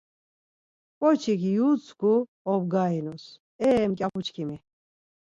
Ǩoçik yutzǩu obgarinus, E mǩyapu çkimi.